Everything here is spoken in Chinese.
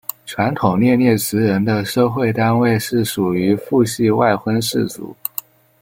传统涅涅茨人的社会单位是属于父系外婚氏族。